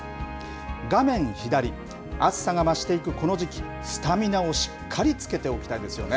画面左、暑さが増していくこの時期、スタミナをしっかりつけておきたいですよね。